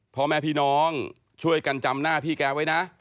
พ่อแม่พี่น้องช่วยกันจำหน้าพี่แกไว้นะ